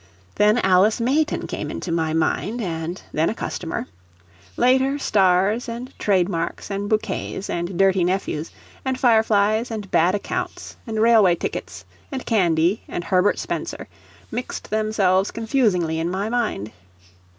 Then Alice Mayton came into my mind, and then a customer; later, stars and trademarks, and bouquets, and dirty nephews, and fireflies and bad accounts, and railway tickets, and candy and Herbert Spencer, mixed themselves confusingly in my mind.